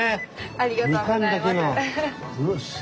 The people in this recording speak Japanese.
ありがとうございます。